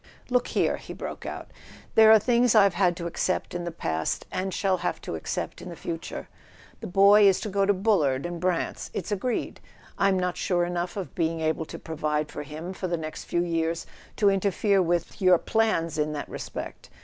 "Look here," he broke out, "there are things I've had to accept in the past, and shall have to accept in the future. The boy is to go into Bullard and Brant's —it's agreed; I'm not sure enough of being able to pro¬ vide for him for the next few years to interfere with— with your plans in that respect.